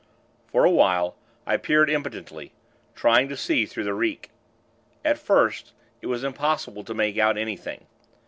For a while, I peered impotently, trying to see through the reek. At first, it was impossible to make out anything.